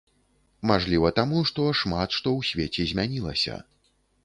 Мажліва, таму, што шмат што ў свеце змянілася.